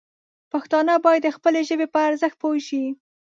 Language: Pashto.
پښتانه باید د خپلې ژبې په ارزښت پوه شي.